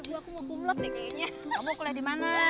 kamu kuliah dimana